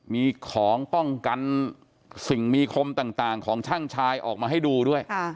มีของป้องกันสิ่งมีคมต่างของช่างชายออกมาให้ดูด้วย